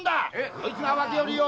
こいつは訳ありよ。